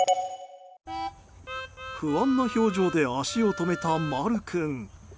不安な表情で足を止めたまる君。